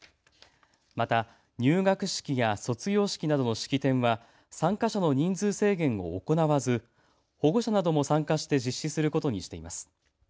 また入学式や卒業式などの式典は参加者の人数制限を行わず保護者なども参加して実施することにしています。